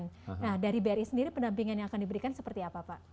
nah dari bri sendiri pendampingan yang akan diberikan seperti apa pak